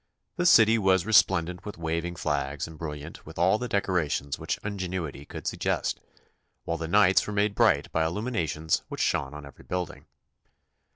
32 THE CONSTITUTION AND ITS MAKERS 33 city was resplendent with waving flags and brilliant with all the decorations which ingenuity could suggest, while the nights were made bright by illuminations which shone on every building.